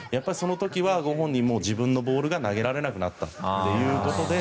その時は自分のボールが投げられなくなったということで。